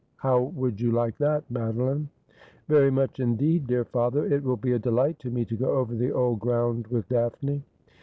How would you like that, Madeline ?'' Very much, indeed, dear father. It will be a delight to me to go over the old ground with Daphne.'